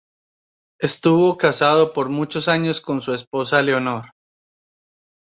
Estuvo casado por muchos años con su esposa Leonor.